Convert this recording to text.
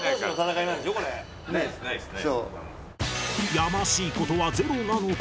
やましい事はゼロなのか？